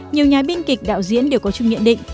nhiều nhà biên kịch đạo diễn đều có chung nhận định